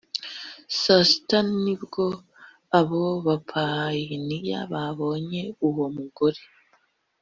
saa sita ni bwo abo bapayiniya babonye uwo mugore